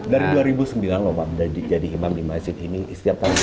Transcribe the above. dari dua ribu sembilan lho pak jadi imam di masjid ini istirahatnya